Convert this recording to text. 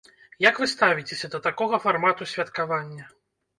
Як вы ставіцеся да такога фармату святкавання?